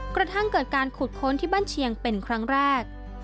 กระทั่งเกิดการขุดค้นที่บ้านเชียงเป็นครั้งแรก